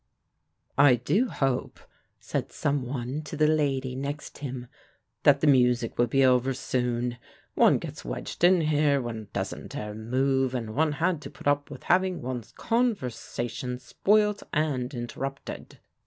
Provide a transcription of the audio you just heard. "I do hope," said some one to the lady next him, "that the music will be over soon. One gets wedged in here, one doesn't dare move, and one had to put up with having one's conversation spoilt and interrupted."